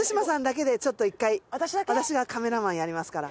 私がカメラマンやりますから。